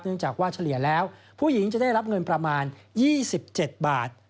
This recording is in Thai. จากว่าเฉลี่ยแล้วผู้หญิงจะได้รับเงินประมาณ๒๗บาท